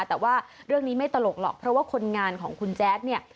แต่ว่าเรื่องนี้ไม่ตลกหรอกเพราะว่าคนงานของคุณแจ๊ดเนี่ย